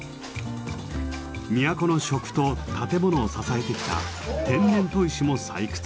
都の食と建物を支えてきた天然砥石も採掘。